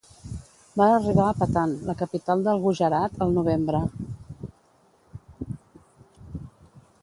Va arribar a Patan, la capital del Gujarat el novembre.